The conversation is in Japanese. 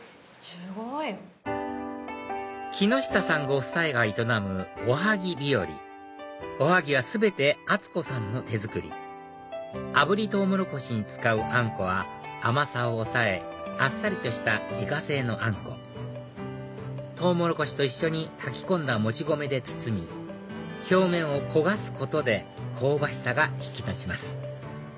すごい！木下さんご夫妻が営むおはぎびよりおはぎは全て敦子さんの手作り炙りとうもろこしに使うあんこは甘さを抑えあっさりとした自家製のあんこトウモロコシと一緒に炊き込んだもち米で包み表面を焦がすことで香ばしさが引き立ちます